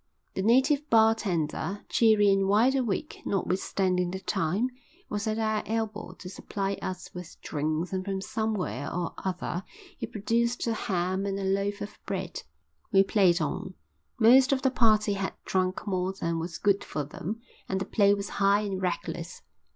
The native bar tender, cheery and wide awake notwithstanding the time, was at our elbow to supply us with drinks and from somewhere or other he produced a ham and a loaf of bread. We played on. Most of the party had drunk more than was good for them and the play was high and reckless.